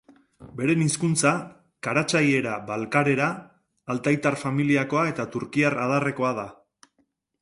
Beren hizkuntza, karatxaiera-balkarera, altaitar familiakoa eta turkiar adarrekoa da.